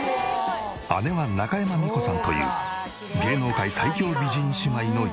姉は中山美穂さんという芸能界最強美人姉妹の妹さん。